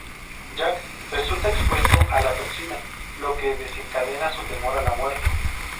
Jack resulta expuesto a la toxina, lo que desencadena su temor a la muerte.